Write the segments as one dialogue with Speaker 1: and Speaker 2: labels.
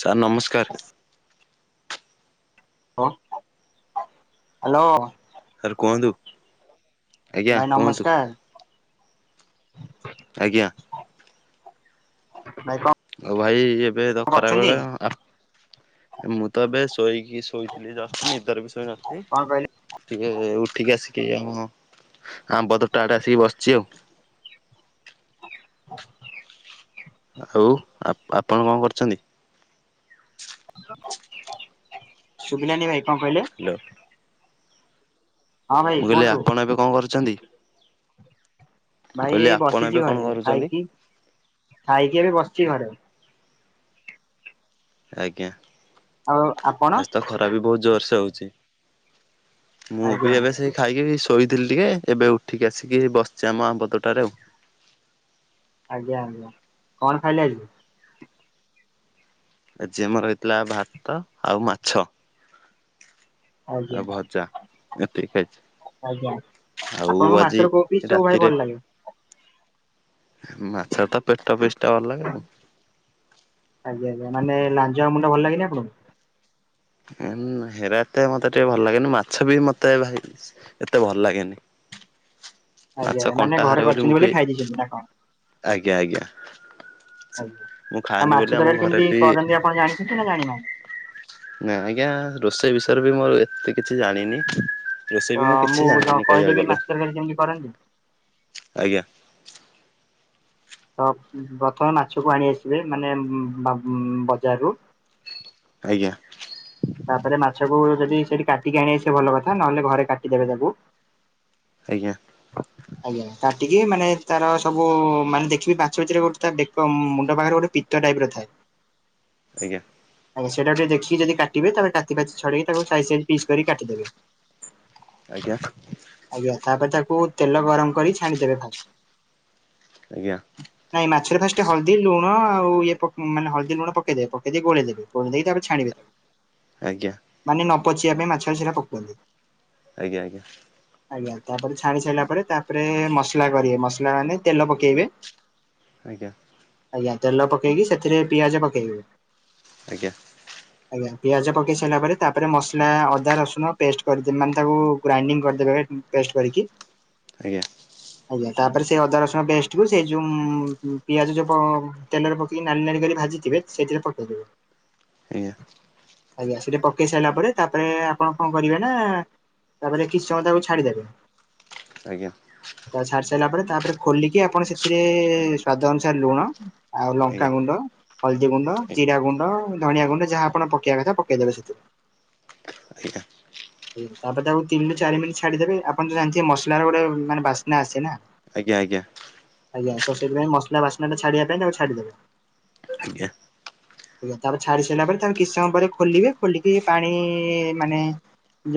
Speaker 1: Sir ନମସ୍କାର।
Speaker 2: ହ୍ୟାଲ hello
Speaker 1: sir କୁହନ୍ତୁ। ଆଜ୍ଞା
Speaker 2: ଭାଇ
Speaker 1: କୁହନ୍ତୁ
Speaker 2: ନମସ୍କାର।
Speaker 1: ଆଜ୍ଞା।
Speaker 2: ଭାଇ କ
Speaker 1: ଆଉ ଭାଇ ଏବେ ତ ଖରା ବେଳେ ଆ ମୁଁ ତ ଏବେ ଶୋଇକି ଶୋଇ ଜା ନା ନିଦର ବି
Speaker 2: କଣ କହିଲେ?
Speaker 1: ସୋଇନାହାନ୍ତି। ଟିକେ ଉଠିକି ଆସିକି ଆମ ଆମ୍ବ ତ ଟା ଟେ ଆସିକି ବସିଛି ଆଉ। ଆଉ ଆପଣ କଣ କରିଛନ୍ତି?
Speaker 2: ଶୁଭିଲାନି ଭାଇ କଣ କହିଲେ?
Speaker 1: ହାଲୋ।
Speaker 2: ହଁ ଭାଇ
Speaker 1: ମୁଁ କହିଲି
Speaker 2: କୁହନ୍ତୁ
Speaker 1: ଆପଣ ଏବେ କଣ କରୁଛନ୍ତି? ମୁଁ
Speaker 2: ଭାଇ
Speaker 1: କହିଲି
Speaker 2: ଏଇ
Speaker 1: ଆପଣ
Speaker 2: ବସିଚି
Speaker 1: ଏବେ କଣ
Speaker 2: ଘରେ
Speaker 1: କରୁଛନ୍ତି?
Speaker 2: ଖାଇକି ଖାଇକି ଏବେ ବସିଚି ଘରେ।
Speaker 1: ଆଜ୍ଞା
Speaker 2: ଆଉ ଆପଣ
Speaker 1: ଆଜି ତ ଖରା ବି ବହୁତ୍ ଜୋରସେ ହଉଛି। ମୁଁ
Speaker 2: ଆଜ୍ଞା
Speaker 1: ବି ଏବେ ସେଇ ଖାଇକି ଶୋଇଥିଲି ଟିକେ ଏବେ ଉଠିକି ଆସିକି ବସିଛି ଆମ ବଦଟାରେ ଆଉ।
Speaker 2: ଆଜ୍ଞା ଆଜ୍ଞା କଣ ଖାଇଲେ ଆସିବ?
Speaker 1: ଆଜିି ଆ ମୋର ରହିଥିଲା ଭାତ ଆଉ ମାଛ
Speaker 2: ଆଜ୍ଞା।
Speaker 1: ଆଉ ଭଜା। ଏତିକି ଖାଇଛି
Speaker 2: ଆଜ୍ଞା
Speaker 1: ଆଉ
Speaker 2: ଆପଣଙ୍କ
Speaker 1: ଆଜି
Speaker 2: ମାଛର କୋବି ସବୁ ଭାଇ
Speaker 1: ରାତିରେ
Speaker 2: ଭଲ ଲାଗେ
Speaker 1: ମାଛ ତ ପେଟ ଫିସା ଅଲଗା ଆଉ।
Speaker 2: ଆଜ୍ଞା ଆଜ୍ଞା ମାନୋଜ ମୁଣ୍ଡ ଭଲ ଲାଗିଲା ଆପଣଙ୍କୁ?
Speaker 1: ହେରା ଏତେ ମତେ ଟିକେ ଭଲ ଲାଗେନି ମାଛ ବି ମତେ ଭାଇ ଏତେ ଭଲ ଲାଗେନି।
Speaker 2: ଆଜ୍ଞା
Speaker 1: ମାଛ
Speaker 2: ମାନେ
Speaker 1: କଣ୍ଟା
Speaker 2: ଘରେ
Speaker 1: ହାରେ ବୋଲି ମୁଁ
Speaker 2: କରିଛନ୍ତି
Speaker 1: ବି
Speaker 2: ଖାଇ ଦେଇଛନ୍ତି ନା କଣ?
Speaker 1: ଆଜ୍ଞା ଆଜ୍ଞା।
Speaker 2: ଆଜ୍ଞା
Speaker 1: ମୁଁ
Speaker 2: ଆଉ
Speaker 1: ଖାଏନି
Speaker 2: ମାଛ
Speaker 1: ବୋଲି ଆମ
Speaker 2: ତରକାରୀ
Speaker 1: ଘରେ
Speaker 2: କେମିତି
Speaker 1: ବି
Speaker 2: କରନ୍ତି ଆପଣ ଜାଣିଛନ୍ତି ଜାଣିନାହାନ୍ତି?
Speaker 1: ନା ଆଜ୍ଞା ରୋଷେଇ ବିଷୟରେ ବି ମୋର ଏତେ କିଛି ଜାଣିନି।
Speaker 2: ତ
Speaker 1: ରୋଷେଇ ବି ମୁଁ କିଛି ଜାଣିନି କହିବାକୁ
Speaker 2: କହିଦେବି ମାଛ
Speaker 1: ଗଲେ।
Speaker 2: କେମିତି କରନ୍ତି?
Speaker 1: ଆଜ୍ଞା।
Speaker 2: ତ ପ୍ରଥମେ ମାଛକୁ ଆଣି ଆସିବେ ମାନେ ବଜାରରୁ।
Speaker 1: ଆଜ୍ଞା।
Speaker 2: ତାପରେ ମାଛକୁ ଯଦି ସେଠି କାଟିକି ଆଣିବା ସେ ଭଲ କଥା ନହେଲେ ଘରେ କାଟିଦେବେ ତାବୁ।
Speaker 1: ଆଜ୍ଞା।
Speaker 2: ହଁ। ଆଜ୍ଞା ତା ଟିକି ମାନେ ତାର ସବୁ ମାନେ ଦେଖିବି ବାଛ ଭିତରେ ଗୋଟେେ ମୁଣ୍ଡ ପାଖରେ ଗୋଟେ ଟାଇପ ର ଥାଏ।
Speaker 1: ଆଜ୍ଞା।
Speaker 2: ଆଜ୍ଞା ସେଇଟା ଟିକେ ଦେଖି ଯଦି କାଟିବେ ତାମୋ ପାାତି ଛଡିକି ତାକୁ ସାଇଜ ସାଇ ପିସ୍ କରି କାଟିଦେବେ।
Speaker 1: ଆଜ୍ଞା।
Speaker 2: ଆଜ୍ଞା ତାପରେ ତାକୁ ତେଲ ଗରମ କରି ଛାଣିଦବେ ଫାଷ୍ଟ।
Speaker 1: ଆଜ୍ଞା।
Speaker 2: ନାଇଁ ମାଛରେ ଫାଷ୍ଟ ହଳଦୀ ଲୁଣ ଆଉ ଇଏ ମାନେ ହଳଦୀ ଲୁଣ ପକେଇଦବେ ପକେଇଦ ଗୋଳେଇଦେବେ। କ ଦେଇ ତା ପରେ
Speaker 1: ଆଜ୍ଞା।
Speaker 2: ମାନେ ନ ପଚିବା ପାଇଁ ମାଛଟା ପକାନ୍ତି।
Speaker 1: ଆଜ୍ଞା ଆଜ୍ଞା।
Speaker 2: ଆଜ୍ଞା ତାପରେ ଛାଣି ସାରିଲା ପରେ ତାପରେ ମସଲା କରିବେ ମସଲା ମାନେ ତେଲ ପକେଇବେ। [inaudible]
Speaker 1: ଆଜ୍ଞା।
Speaker 2: ଆଜ୍ଞା ତେଲ ପକେଇକି ସେଥିରେ ପିଆଜ ପକେଇବେ।
Speaker 1: ଆଜ୍ଞା।
Speaker 2: ଆଜ୍ଞା ପିଆଜ ପକେଇ ସାରିଲା ପରେ ତାପରେ ମସଲା ଅଦା ରସୁଣ ପେଷ୍ଟ କରିଦେବେ ମାନେ ତାକୁ ଗ୍ରାଇଣ୍ଡିଙ୍ଗ କରିଦେବେ। ପେଷ୍ଟ କରିକି
Speaker 1: ଆଜ୍ଞା
Speaker 2: [inaudible] ଆଜ୍ଞା ତାପରେ ସେ ଅଦା ରସୁଣ ପେଷ୍ଟକୁ ସେ ଯେଉଁ ପିଆଜ ଯେଉ ତେଲରେ ପକେଇକି ନାଲି ନାଳି କରି ଭାଜିଥିବେ ସେଇଥିରେ ପକେଇଦେବେ।
Speaker 1: ଆଜ୍ଞା।
Speaker 2: ଆଜ୍ଞା। ସେଇଟା ପକେଇ ସାଇଲା ପରେ, ତାପରେ ଆପଣ କଣ କରିବେ ନା ତାପରେ କିଛି ସମୟ ତାକୁ ଛାଡ଼ି ଦେବେ
Speaker 1: ଆଜ୍ଞା।
Speaker 2: ତାକୁ ଛାଡ଼ି ସାଇଲା ପରେ ତାପରେ ଖୋଲିକି ଆପଣ ସେଥିରେ, ସ୍ଵାଦ ଅନୁସାରେ ଲୁଣ ଆଉ ଲଙ୍କା ଗୁଣ୍ଡ, ହଳଦୀ ଗୁଣ୍ଡ, ଜିରା ଗୁଣ୍ଡ, ଆ ଧଣିଆ ଗୁଣ୍ଡ, ଯାହା ଆପଣ ପକେଇ ପକେଇଆ କଥା ପକେଇଦେବେ ସେଥିରେ।
Speaker 1: ଆଜ୍ଞା।
Speaker 2: ତାପରେ ତାକୁ ତିନିରୁ ଚାରିି ମିନିଟ୍ ଛାଡିଦେବେ। ଆପଣ ତ ଜାଣିଥିବେ ମସଲାର ଗୋଟେ ମାନେ ବାସ୍ନା ଆସେ ନା।
Speaker 1: ଆଜ୍ଞା ଆଜ୍ଞା।
Speaker 2: ଆଜ୍ଞା। ତ ସେଇଥିପାଇଁ ମସଲା ବାସ୍ନାଟା ଛାଡିବା ପାଇଁ ତାକୁ ଛାଡିଦେବେ।
Speaker 1: ଆଜ୍ଞା।
Speaker 2: ତାପରେ ଛାଡି ସାଇଲା ପରେ ତାପରେ କିଛି ସମୟ ପରେ ଖୋଲିବେ, ଖୋଲିକି ପାଣି ମାନେ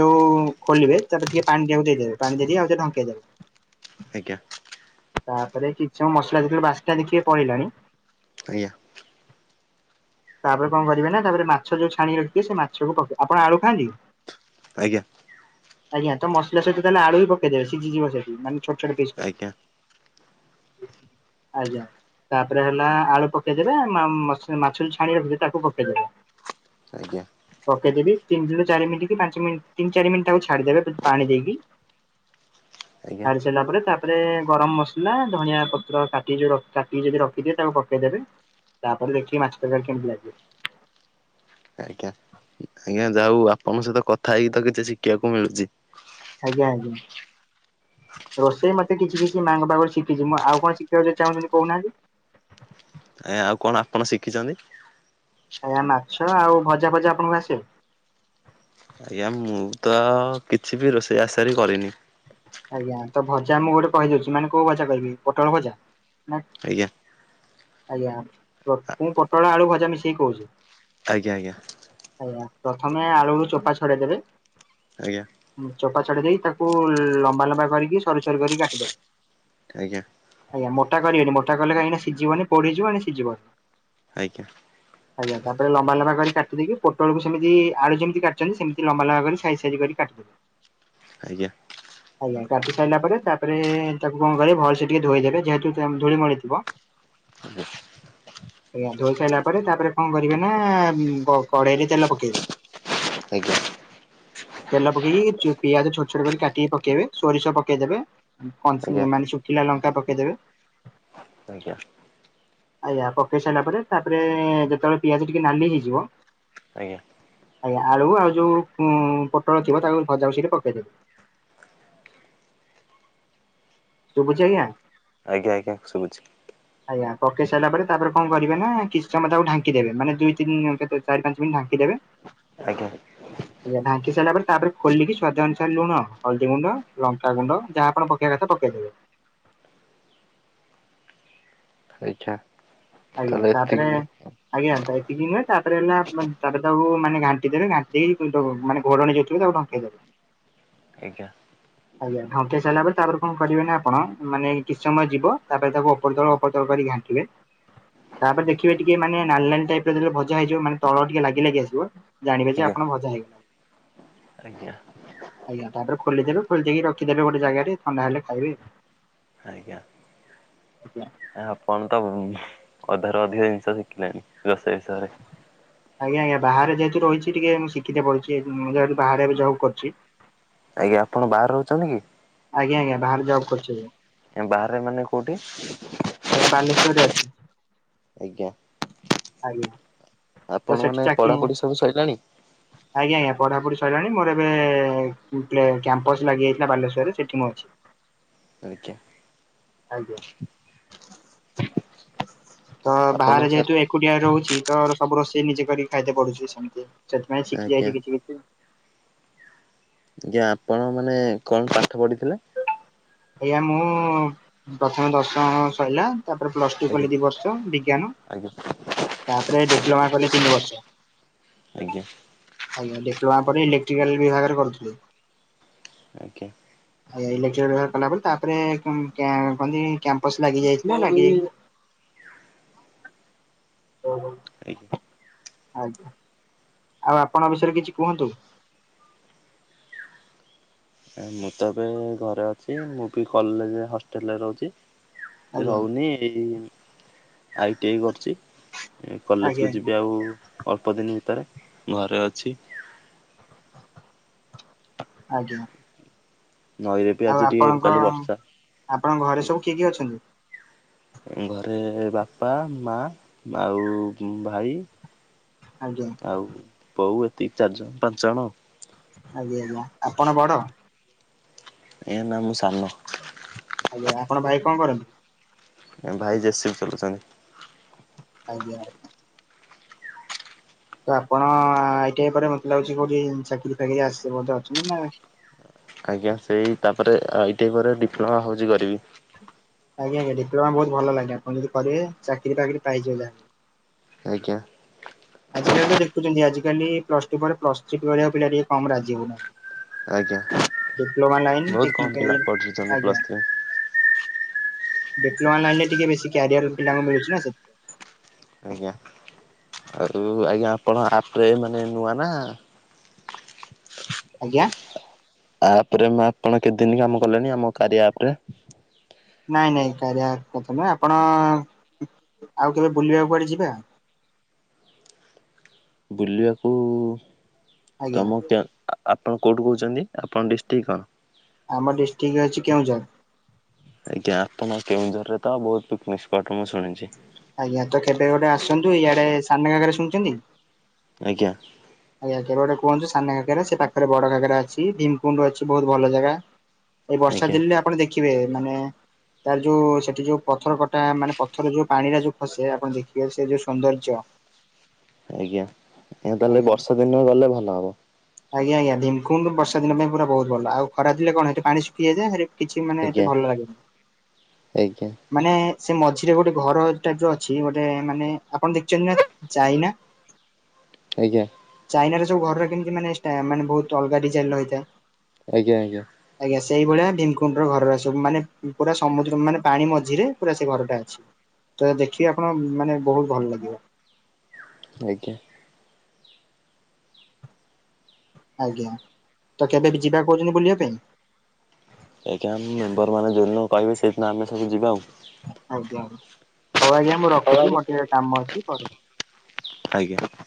Speaker 2: ଯୋଉ ଖୋଲିବେ, ତାପରେ ଟିକେ ପାଣି ଟିଆକୁ ଦେଇଦେବେ, ପାଣି ଦେଇଦେଇ ଆଉଥରେ ଢଙ୍କେଇଦେବେ
Speaker 1: ଆଜ୍ଞା।
Speaker 2: ତାପରେ କିଛି ସମୟ ମସଲା ଯେତେବେଳେ ବାସ୍ନା ଦେଖିବେ ପଳେଇଲାଣି
Speaker 1: ଆଜ୍ଞା
Speaker 2: ତାପରେ କଣ କରିବେ ନା, ତାପରେ ମା ଛ ଯୋଉ ଛାଣିକି ରଖିଥିବେ, ସେ ମାଛକୁ ପକେଇ, ଆପଣ ଆଳୁ ଖାଆନ୍ତି?
Speaker 1: ଆଜ୍ଞା।
Speaker 2: ଆଜ୍ଞା। ତ ମସଲା ସହିତ ତାହେଲେ ଆଳୁ ବି ପକେଇଦେବେ, ସିଝିଯିବ ସେଠି ମାନେ ଛୋଟ ଛୋଟ ପିସ୍
Speaker 1: ଆଜ୍ଞା
Speaker 2: କରିବେ। ଆଜ୍ଞା। ତାପରେ ହେଲା ଆଳୁ ପକେଇଦେବେ, ମା-ମା-ମାଛରୁ ଛାଣିକି ରଖିଥିବେ ତାକୁ ପକେଇଦେବେ।
Speaker 1: ଆଜ୍ଞା।
Speaker 2: ପକେଇଦେବି, ତିନିରୁ ଚାରି ମିଣ୍ଟି କି ପାଞ୍ଚ ମିନ୍ ତିନ ଚାରି ମିନିଟ୍ ତାକୁ ଛାଡିଦେବେ ପାଣି ଦେଇକି ହ
Speaker 1: ଆଜ୍ଞା
Speaker 2: ଛାଡ଼ି ସାରିଲା ପରେ ତାପରେ, ଗରମ ମସଲା, ଧଣିଆ ପତ୍ର, କାଟିକି ଯୋଉ ରଖି କାଟିିକି ଯଦି ରଖିଥିବେ, ତାକୁ ପକେଇଦେବେ ତାପରେ ଦେଖିବେ ମାଛ ତରକାରୀ କେମିତି ଲାଗିବ।
Speaker 1: ଆଜ୍ଞା
Speaker 2: [inaudible]
Speaker 1: ଆଜ୍ଞା, ଯା ହଉ ଆପଣଙ୍କ ସହିତ କଥା ହେଇକି ତ କିଛି ଶିଖିବାକୁ ମିଳୁଛି।
Speaker 2: ଆଜ୍ଞା ଆଜ୍ଞା। ରୋଷେଇ ମତେ କିଛି କିଛି ମାଆଙ୍କ ପାଖରୁ ଶିଖିଛି। ମୁଁ ଆଉ କଣ ଶିଖିବାକୁ ଯଦି ଚାହୁଁଛନ୍ତି କହୁନାହାଁନ୍ତି?
Speaker 1: ଆଜ୍ଞା, ଆଉ କଣ ଆପଣ ଶିଖିଛନ୍ତି?
Speaker 2: ଆଜ୍ଞା ମାଛ ଆଉ ଭଜା ଫଜା ଆପଣଙ୍କୁ ଆସିବ?
Speaker 1: ଆଜ୍ଞା, ମୁଁ ତ କିଛି ବି ରୋଷେଇ ଆଜି ସାରି କରିନି।
Speaker 2: ଆଜ୍ଞା। ତ ଭଜା ମୁଁ ଗୋଟେ କହିଦେଉଛି, ମାନେ କୋଉ ଭଜା କହିବି? ପୋଟଳ ଭଜା ନା
Speaker 1: ଆଜ୍ଞା।
Speaker 2: ଆଜ୍ଞା। ମୁଁ ପୋଟଳ, ଆଳୁ ଭଜା ମିଶେଇକି କହୁଛି।
Speaker 1: ଆଜ୍ଞା ଆଜ୍ଞା।
Speaker 2: ଆଜ୍ଞା। ପ୍ରଥମେ ଆଳୁରୁ ଚୋପା ଛଡେଇଦେବେ
Speaker 1: ଆଜ୍ଞା।
Speaker 2: ଚୋପା ଛଡେଇଦେଇକି, ତାକୁ ଲମ୍ବା ଲମ୍ବା କରିକି ସରୁ ସରୁ କରିକି କାଟିଦେବେ।
Speaker 1: ଆଜ୍ଞା।
Speaker 2: ଆଜ୍ଞା। ମୋଟା କରିବେନି ମୋଟା କଲେ କାହିଁକିନା ସିଜିବନି ଏଣେ ପୋଡିଯିବ ସିଜିବନି।
Speaker 1: ଆଜ୍ଞା।
Speaker 2: ଆଜ୍ଞା, ତାପରେ ଲମ୍ବା ଲମ୍ବା କରି କାଟିଦେଇକି, ପୋଟଳକୁ ସେମିତି ଆଳୁ ଯେମିତି କାଟିଛନ୍ତି, ସେମିତି ଲମ୍ବା ଲମ୍ବା କରି ସାଇଜ ସାଇଜ କରି କାଟିଦେବେ।
Speaker 1: ଆଜ୍ଞା।
Speaker 2: ଆଜ୍ଞା, କାଟି ସାଇଲାପରେ ତାପରେ ଏ ତାକୁ କଣ କରିବେ, ଭଲସେ ଟିକେ ଧୋଇଦେବେ ଯେହେତୁ ତା ଧୂଳି ମୂଳି ଥିବ
Speaker 1: ଆଜ୍ଞା।
Speaker 2: ଆଜ୍ଞା ଧୋଇ ସାଇଲା ପରେ ତାପରେ କଣ କରିବେ ନା ବ କଡ଼େଇରେ ତେଲ ପକେଇବେ।
Speaker 1: ଆଜ୍ଞା।
Speaker 2: ତେଲ ପକେଇକି ଚୁ-ପିଆଜ ଛୋଟ ଛୋଟ କରି କାଟିକି ପକେଇବେ। ସୋରିଷ ପକେଇଦେବେ ଉ କଞ୍ଚ୍ ମାନେ ଶୁଖିଲା ଲଙ୍କା ପକେଇଦବେ।
Speaker 1: ଜ୍ଞା
Speaker 2: ଆଜ୍ଞା ପକେଇ ସାଇଲା ପରେ ତାପରେ ଯେତେବେଳେ ପିଆଜ ଟିକେ ନାଲି ହେଇଯିବ
Speaker 1: ଆଜ୍ଞା
Speaker 2: ଆଜ୍ଞା ଆଳୁ ଆଉ ଯୋଉ ଉଁ ପୋଟଳ ଥିବ ତାକୁ ଭଜାକୁ ସେଇଠି ପକେଇଦେବେ। ଶୁଭୁଚି ଆଜ୍ଞା।
Speaker 1: ଆଜ୍ଞା ଆଜ୍ଞା ଶୁଭୁଚି।
Speaker 2: ଆଜ୍ଞା ପକେଇ ସାଇଲା ପରେ ତାପରେ କଣ କରିବେ ନା କିଛି ସମୟ ତାକୁ ଢାଙ୍କିଦେବେ ମାନେ ଦୁଇ ତିିନି ଆଉ କେତେ ଚାରି ପାଞ୍ଚ ମିନଟି ଢାଙ୍କିଦେବେ।
Speaker 1: ଆଜ୍ଞା।
Speaker 2: ଆଜ୍ଞା ଢାଙ୍କି ସାରିଲା ପରେ ତାପରେ ଖୋଲିକି ସ୍ଵାଦ ଅନୁସାରେ ଲୁଣ, ହଳଦୀ ଗୁଣ୍ଡ, ଲଙ୍କା ଗୁଣ୍ଡ, ଯାହା ଆପଣ ପ ପକେଇବା କଥା ପକେଇଦେବେ।
Speaker 1: ତୋ ଇଚ୍ଛା।
Speaker 2: ଆଜ୍ଞା ତାପରେ ଆଜ୍ଞା ତ ଏତିକି ନୁହେଁ ତାପରେ ହେଲା ମାନ୍ ତାପରେ ତାକୁ ମାନେ ଘାଣ୍ଟିଦେବେ ଘାଣ୍ଟି ଦେଇକି କୁ ଯୋଉ ମାନେ ଘୋଡ଼ଣୀ ଯୋଉ ଥ ଥିବ ତାକୁ ଢଙ୍କେଇଦେବେ।
Speaker 1: ଆଜ୍ଞା।
Speaker 2: ଆଜ୍ଞା ଢଙ୍କେଆ ସାରିଲା ପରେ ତାପରେ କଣ କରିବେ ନା ଆପଣ ମାନେ କିଛି ସମୟ ଯିବ ତାପରେ ତାକୁ ଓପର ତଳ ଓପର ତଳ କରିକି ଘାନ୍ ଥିବେ ତାପରେ ଦେଖିବେ ଟିକେ ମାନେ ନାଲି ନାଲି ଟାଇପର ଯେତେବେଳ ଭଜାହେଇଯିବ ମାନେ ତଳ ଟିକେ ଲାଗି ଲାଗି ଆସିବ ଜାଣିବେ ଯେ
Speaker 1: ଆଜ୍ଞା
Speaker 2: ଆପଣ ଭଜା
Speaker 1: ଆଜ୍ଞା
Speaker 2: ହେଇଗାଲା ଆଜ୍ଞା ତାପରେ ଖୋଲିଦେବେ। ଖୋଲିଦେଇକି ରଖିଦେବେ ଗୋଟେ ଜାଗାରେ ଥଣ୍ଡା ହେଲେ ଖାଇବେ। ଆଜ୍ଞା
Speaker 1: କଣ ତ ଉଁ ଅଧାରୁ ଅଧିକ ଜିନିଷ ଶିଖିଲେଣି ରୋଷେଇ ବିଷୟରେ।
Speaker 2: ଆଜ୍ଞା ଆଜ୍ଞା ବାହାରେ ଯେହେତୁ ରହିଚି ଟିକେ ମୁଁ ଶିଖିତେ ପଡୁଚି ମୁଁ ଏବେ ବାହାରେ ଏବେ ଜବ କରୁଚି।
Speaker 1: ଆଜ୍ଞା ଆପଣ ବାହାରେ ରହୁଚନ୍ତି କି?
Speaker 2: ଆଜ୍ଞା ଆଜ୍ଞା ବାହାରେ ଜବ କରୁଚି ଏବେ ମୁଁ।
Speaker 1: ଆଜ୍ଞା ବାହାରେ ମାନେ କୋଉଠି?
Speaker 2: ଆଜ୍ଞା ବାଲେଶ୍ୱରରେ ଅଛି।
Speaker 1: ଆଜ୍ଞା।
Speaker 2: ଆଜ୍ଞା ତ
Speaker 1: ଆପଣ
Speaker 2: ସେଠି
Speaker 1: ମାନେ
Speaker 2: ଚାକିରି ମୁଁ
Speaker 1: ପଢାପଢି ସବୁ ସରିଲାଣି?
Speaker 2: ଆଜ୍ଞା ଆଜ୍ଞା ପଢାପଢ଼ି ସଇଲାଣି ମୋର ଏବେ ଏ ଉଁ କ୍ଲ କ୍ୟାମ୍ପସ୍ ଲାଗିଯାଇଥିଲା ବାଲେଶ୍ୱରରେ ସେଠି ମୁଁ ଅଛି।
Speaker 1: ତାହେଲେ କ୍ୟା
Speaker 2: ଆଜ୍ଞା। ତ
Speaker 1: ଆପଣ
Speaker 2: ବାହାରେ
Speaker 1: ସାର୍
Speaker 2: ଯେହେତୁ ଏକୁଟିଆ ରହୁଚି ତ ସବୁ ରୋଷେଇ ନିଜେ କରିକି ଖାଇତେ ପଡୁଚି ସେମତି। ସେଥିପାଇଁ
Speaker 1: ଆଜ୍ଞା
Speaker 2: ଶିଖିଯାଇଛି କିଛି କିଛି।
Speaker 1: ଆଜ୍ଞା ଆପଣ ମାନେ କଣ ପାଠ ପଢିଥିଲେ?
Speaker 2: ଆଜ୍ଞା ମୁଁ ପ୍ରଥମେ ଦଶମ ସରିଲା ତାପରେ ପ୍ଲସଟୁ
Speaker 1: ଆଜ୍ଞା
Speaker 2: କଲି ଦିବର୍ଷ ବିଜ୍ଞାନ।
Speaker 1: ଆଜ୍ଞା।
Speaker 2: ତାପରେ ଡିପ୍ଲୋମା କଲି ତିନି ବର୍ଷ।
Speaker 1: ଆଜ୍ଞା
Speaker 2: ଆଜ୍ଞା ଡିପ୍ଲୋମା ପରେ ଇଲେଟ୍ରିକାଲ ବିଭାଗରେ କରୁଥିଲି।
Speaker 1: ଆଜ୍ଞା।
Speaker 2: ଆଜ୍ଞା ଇଲେକ୍ଟ୍ରିକାଲ ବିଭାଗରେ କଲାପରେ ତାପରେ କଁ କ୍ୟା କଣତି କ୍ୟାମ୍ପସ ଲାଗିଯାଇଥିଲା ଲାଗି ଓହୋ।
Speaker 1: ଆଜ୍ଞା।
Speaker 2: ଆଉ ଆପଣଙ୍କ ବିଷୟରେ କିଛି କୁହନ୍ତୁ?
Speaker 1: ଏଇ ମୁଁ ତ ଏବେ ଘରେ ଅଛି ମୁଁ ବି କଲେଜ ହଷ୍ଟେଲରେ ରହୁଛି
Speaker 2: ଆଜ୍ଞା।
Speaker 1: ରହୁନି ଏଇ ଆଇଟି ଆଇ କରୁଛି କଲେଜ
Speaker 2: ଆଜ୍ଞା
Speaker 1: କୁ
Speaker 2: ଆଜ୍ଞା
Speaker 1: ଯିବି ଆଉ ଅଳ୍ପ ଦିନି ଭିତରେ ଘରେ ଅଛି।
Speaker 2: ଆଜ୍ଞା।
Speaker 1: ନଇ ରେ ବି
Speaker 2: ଆଉ
Speaker 1: ଆଜି ଟିକେ
Speaker 2: ଆପଣଙ୍କ
Speaker 1: କାଲି ବର୍ଷା
Speaker 2: ଆପଣଙ୍କ ଘରେ ସବୁ କିଏ କିଏ ଅଛନ୍ତି?
Speaker 1: ଘରେ ବାପା ମା ଆଉ ଭାଇ
Speaker 2: ଆଜ୍ଞା।
Speaker 1: ଆଉ ବୋଉ ଏତିକି ଚାରି ଜଣ ପାଞ୍ଚ ଜଣ
Speaker 2: ଆଜ୍ଞା ଆଜ୍ଞା ଆପଣ ବଡ?
Speaker 1: ଏ ନା ମୁଁ ସାନ।
Speaker 2: ଆଜ୍ଞା ଆପଣଙ୍କ ଭାଇ କଣ କରନ୍ତି?
Speaker 1: ଭାଇ ଜେ ସି ବି ଚଲୁଛନ୍ତି।
Speaker 2: ଆଜ୍ଞା ତ ଆପଣ ଆଇ ଟି ଆଇ ପରେ ମତେ ଲାଗୁଛି କୋଉଠି ଚାକିରି ଫାକିରି ଆସେ ବୋଧେ ଅଛନ୍ତି ନା
Speaker 1: ଆଜ୍ଞା ସେଇ ତାପରେ ଆଇ ଟି ଆଇ ପରେ ଡିପ୍ଲୋମା ଭାବୁଛି କରିବି।
Speaker 2: ଆଜ୍ଞା ଆଜ୍ଞା ଡିପ୍ଲୋମା ବହୁତ ଭଲ ଲାଗେ ଆପଣ ଯଦି କରିବେ ଚାକିରିବାକିରି ପାଇଯିବେ ଯାହା।
Speaker 1: ଆଜ୍ଞା
Speaker 2: ଆଜିକାଲି ତ ଦେଖୁଛନ୍ତି ଆଜିକାଲି ପ୍ଲସ୍ ଟୁ ପରେ ପ୍ଲସ ଥ୍ରୀ କରିଆ ପିଲା ଟିକେ କମ ରାଜି ହଉ ନାହାଁନ୍ତି।
Speaker 1: ଆଜ୍ଞା
Speaker 2: ଡିପ୍ଲୋମା ଲାଇନ
Speaker 1: ବହୁତ କମ୍ ପିଲା
Speaker 2: ଟେକ୍ନିକଇ
Speaker 1: ପଢିଛନ୍ତି
Speaker 2: ଆଜ୍ଞା।
Speaker 1: Plus three.
Speaker 2: ଡିପ୍ଲୋମା ଲାଇନରେ ଟିକେ ବେଶୀ କାରିୟର ପିଲାଙ୍କୁ ମିଳୁଚି ନା ସେ
Speaker 1: ଆଜ୍ଞା। ଆଉ ଆଜ୍ଞା ଆପଣ ଆପରେ ମାନେ ନୂଆ ନା
Speaker 2: ଆଜ୍ଞା?
Speaker 1: ଆପରେ ଆପଣ କେତେଦିନ କାମ କଲେଣି ଆମ କାରିଆ ଆପରେ?
Speaker 2: ନାଇଁ ନାଇଁ କାରିଆ କଥା ନାଁ ଆପଣ ଆଉ କେବେ ବୁଲିବାକୁ କୁଆଡେ ଯିବା?
Speaker 1: ବୁଲିବାକୁ
Speaker 2: ଆଜ୍ଞା
Speaker 1: ତମ ଆପଣ କୋଉଠୁ କହୁଛନ୍ତି ଆପଣ ଡିଷ୍ଟ୍ରିକ୍ଟ କଣ?
Speaker 2: ଆମ ଡିଷ୍ଟ୍ରିକ୍ଟ ଅଛି କେଉଁଝର।
Speaker 1: ଆଜ୍ଞା ଆପଣଙ୍କ କେଉଁଝର ରେ ତ ବହୁତ ପିକନିକ ସ୍ପଟ ମୁଁ ଶୁଣିଛି।
Speaker 2: ଆଜ୍ଞା ତ କେବେ ଗୋଟେ ଆସନ୍ତୁ ଇଆଡେ ସାନ ଘାଗରା ଶୁଣିଛନ୍ତି?
Speaker 1: ଆଜ୍ଞା
Speaker 2: ଆଜ୍ଞା କେବେ ଗୋଟେ କୁହନ୍ତୁ ସାନଘାଗରା ସେ ପାଖରେ ବଡ ଘାଗରା ଅଛି ଭୀମକୁଣ୍ଡ ଅଛି ବହୁତ ଭଲ ଜାଗା। ଏଇ ବର୍ଷା
Speaker 1: ଆଜ୍ଞା
Speaker 2: ଦିନରେ ଆପଣ ଦେଖିବେ ମାନେ ତାର ଯୋଉ ସେଠି ଯୋଉ ପଥର କଟା ମାନେ ପଥର ଯୋଉ ପାଣି ଟା ଯୋଉ ଖସେ ଆପଣ ଦେଖିବେ ସେ ଯୋଉ ସୌନ୍ଦର୍ଯ୍ୟ ହ
Speaker 1: ଆଜ୍ଞା ଏ ତାହେଲେ ବର୍ଷା ଦିନ ଗଲେ ଭଲ ହବ?
Speaker 2: ଆଜ୍ଞା ଆଜ୍ଞ୍ୟା, ଭିକୁଣ୍ରୁ ବର୍ଷା ଦିନ ପାଇଁ ପୁର ବହୁତ ଭଲ ଆଉ ଖରା ଦଲେ କଣ ସେଠ ପାଣି ଶୁଖିଯଏ କିଛି ମାନେ ଏତେ
Speaker 1: ଆଜ୍ଞା
Speaker 2: ଭଲ ଲାଗେନି।
Speaker 1: ଆଜ୍ଞା
Speaker 2: ମାନେ ସେ ମଝିରେ ଗୋଟେ ଘର ଟାଇପ ର ଅଛି ଗୋଟେ ମାନେ ଆପଣ ଦେଖିଛନ୍ତି ନା ଯାଇନା।
Speaker 1: ଆଜ୍ଞା
Speaker 2: ଚାଇନାର ସବୁ ଘରର କେମିତି ମାନେ ମାନେ ଷ୍ଟା ବହୁତ ଅଲଗା ଡିଜାଇନ ରହିଥାଏ।
Speaker 1: ଆଜ୍ଞା ଆଜ୍ଞା
Speaker 2: ଆଜ୍ଞା ସେଇଭଳିଆ ଭୀମକୁଣ୍ଡ ର ଘର ସବୁ ମାନେ ପୁରା ସମୁଦ୍ର ମାନେ ପାଣି ମଝିରେ ପୁରା ସେ ଘରଟା ଅଛି। ତ ଦେଖିଵେ ଆପଣ ମାନେ ବହୁତ ଭଲ ଲାଗିବ।
Speaker 1: ଆଜ୍ଞା
Speaker 2: ଆଜ୍ଞା ତ କେବେ ବି ଯିବା କହୁଛନ୍ତି ବୁଲିବା ପାଇଁ?
Speaker 1: ଆଜ୍ଞା ଆମ ମେମ୍ବର ମାନ ଯୋଦିନ କହିବେ ସେଥିିନ ଆମେ ସବୁ ଯିବା ଆଉ।
Speaker 2: ଆଜ୍ଞା ହଉ ଆଜ୍ଞା ମୁଁ
Speaker 1: ହଉ
Speaker 2: ରଖୁଛି
Speaker 1: ଆଜ୍ଞା।
Speaker 2: ମୋର ଟିକେ କାମ ଅଛି ପରେ
Speaker 1: ଆଜ୍ଞା।